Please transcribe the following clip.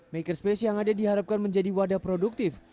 makerspace yang ada diharapkan menjadi wadah produktif